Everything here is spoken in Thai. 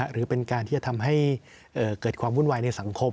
หรือเป็นการที่จะทำให้เกิดความวุ่นวายในสังคม